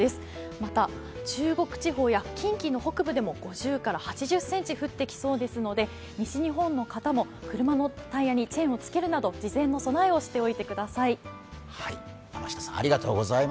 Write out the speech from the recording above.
また、中国地方や近畿の北部でも５０８０ｃｍ降ってきそうですので西日本の方も車のタイヤにチェーンをつけるなど事前の備えをしておいてください。